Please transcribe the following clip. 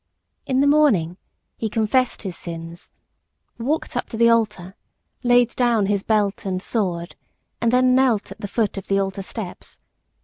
In the morning he confessed his sins, walked up to the altar, laid down his belt and sword, and then knelt at the foot of the altar steps.